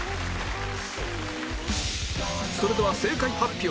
それでは正解発表